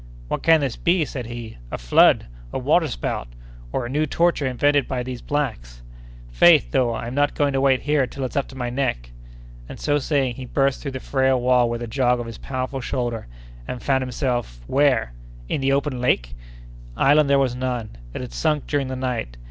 "What can this be?" said he; "a flood! a water spout! or a new torture invented by these blacks? Faith, though, I'm not going to wait here till it's up to my neck!" And, so saying, he burst through the frail wall with a jog of his powerful shoulder, and found himself—where?—in the open lake! Island there was none. It had sunk during the night.